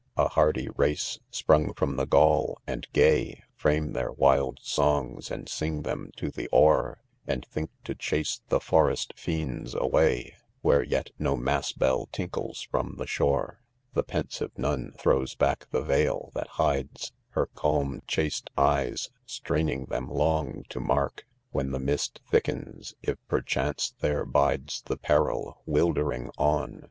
h6 A hardy race, spru'nig fm'm the Gaul, and ^ay ? Frame tiiefr wM's'tih^s'arid siiig^ f heiri to the oar J And think to chase the forest fiends away, Wh&efeti no rnxm^ell tinkles frdifi the shore* The pensive nun throws ' "back the veil' that hides 1 Her calm, chaste" eyes ; straining them^ long; t'd mar %, When the mist thickens, if perchance their bides The peril — wintering: on.